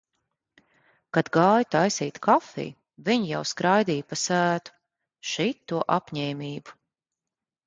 Kad gāju taisīt kafiju, viņi jau skraidīja pa sētu. Šito apņēmību.